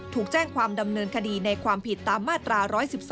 ถูกแจ้งความดำเนินคดีในความผิดตามมาตรา๑๑๒